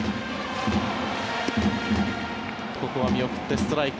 ここは見送ってストライク。